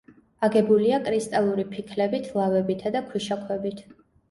აგებულია კრისტალური ფიქლებით, ლავებითა და ქვიშაქვებით.